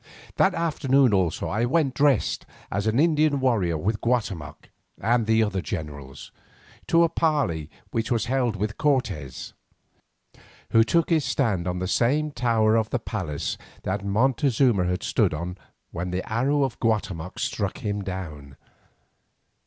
That afternoon also I went dressed as an Indian warrior with Guatemoc and the other generals, to a parley which was held with Cortes, who took his stand on the same tower of the palace that Montezuma had stood on when the arrow of Guatemoc struck him down.